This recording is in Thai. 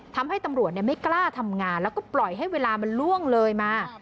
ทำให้ตำรวจไม่กล้าทำงานแล้วก็ปล่อยให้เวลามันล่วงเลยมา